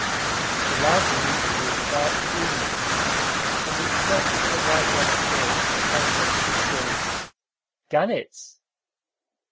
The larger number were in dark plumage, and it was not till a white one appeared that I said with assurance, "Gannets!"